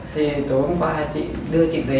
thì tối hôm qua chị đưa chị về